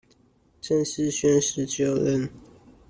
正式宣誓就任